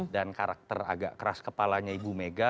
dan karakter agak keras kepalanya ibu mega